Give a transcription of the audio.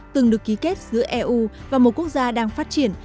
từng được ký kết giữa eu và một quốc gia đang phát triển